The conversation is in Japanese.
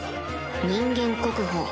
人間国宝